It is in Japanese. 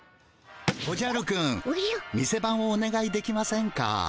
おじゃるくん店番をおねがいできませんか？